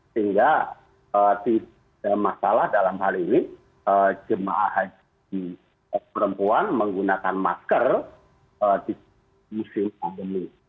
sehingga tidak ada masalah dalam hal ini jemaah haji perempuan menggunakan masker di musim pandemi